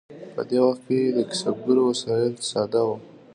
په دې وخت کې د کسبګرو وسایل ساده وو.